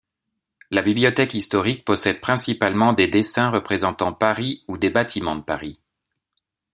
La Bibliothèque historique possède principalement des dessins représentant Paris ou des bâtiments de Paris.